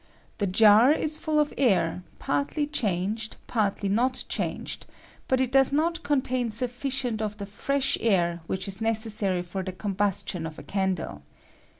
The jar is full of air, partly changed, partly not changed ; but it does not contain sufficient of the fresh air which is necessary for the combustion of a csandle.